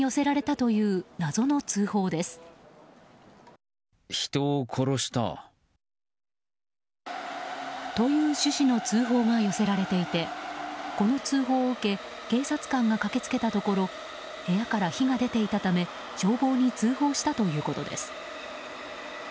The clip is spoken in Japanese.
という趣旨の通報が寄せられていてこの通報を受け警察官が駆け付けたところ部屋から火が出ていたため消防に通報したということです。